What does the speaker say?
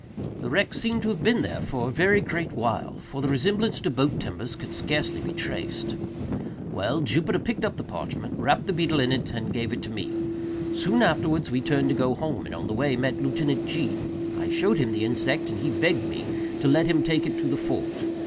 The wreck seemed to have been there for a very great while; for the resemblance to boat timbers could scarcely be traced. "Well, Jupiter picked up the parchment, wrapped the beetle in it, and gave it to me. Soon afterwards we turned to go home, and on the way met Lieutenant G——. I showed him the insect, and he begged me to let him take it to the fort.